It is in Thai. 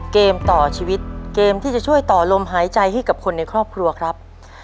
เกมต่อชีวิตเกมที่จะช่วยต่อลมหายใจให้กับคนในครอบครัวครับ